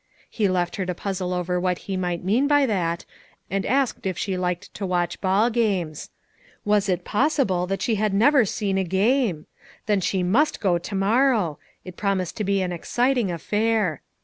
He left her to puzzle over what he might mean by that, and asked if she liked to watch ball games. Was it possible that she had never seen a game! Then she must go to morrow; it promised to be an exciting affair.